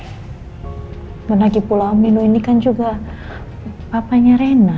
karena di pulau om nino ini kan juga papanya rena